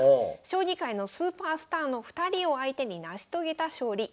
将棋界のスーパースターの２人を相手に成し遂げた勝利。